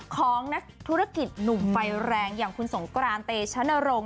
ของนักธุรกิจหนุ่มไฟแรงอย่างคุณสงกรานเตชนรงค